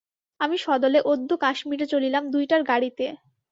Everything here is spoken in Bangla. আমি সদলে অদ্য কাশ্মীরে চলিলাম দুইটার গাড়ীতে।